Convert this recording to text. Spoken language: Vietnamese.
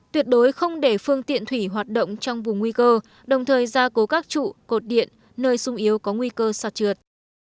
tuyệt đối không để phương tiện thủy hoạt động trong vùng nguy cơ đồng thời ra cố các trụ cột điện nơi sung yếu có nguy cơ sạt trượt